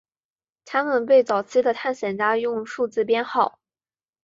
他们被早期的探险家用数字编号。